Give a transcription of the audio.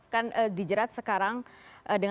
apakah jerad hukum pidananya belum kuat prof